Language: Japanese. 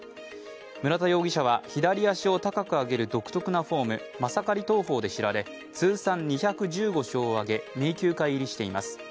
村田容疑者は左足を高く上げる独特なフォーム、マサカリ投法で知られ、通算２１５勝を挙げ、名球会入りしています。